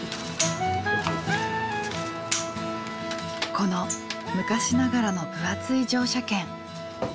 この昔ながらの分厚い乗車券。